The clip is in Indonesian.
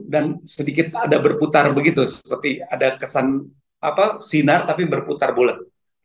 dan sedikit ada berputar begitu seperti ada kesan sinar tapi berputar bulet